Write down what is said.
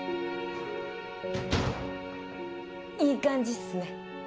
いい感じっすね。